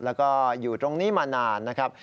แล้วก็อยู่ตรงนี้มานานนะครับ